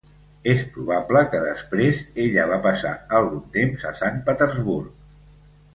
És probable que després ella va passar algun temps a Sant Petersburg.